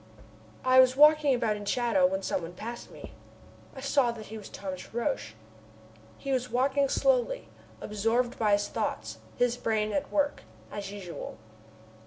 I was walking about in the shadow, when some one passed me. I saw that he was Thomas Roch. He was walking slowly, absorbed by his thoughts, his brain at work, as usual.